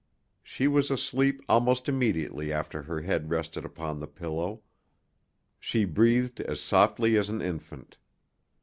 She was asleep almost immediately after her head rested Upon the pillow. She breathed as softly as an infant.